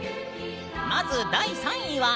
まず第３位は。